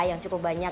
yang cukup banyak